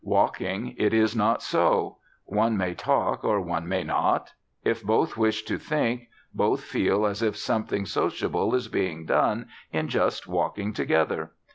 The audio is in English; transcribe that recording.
Walking, it is not so. One may talk or one may not. If both wish to think, both feel as if something sociable is being done in just walking together.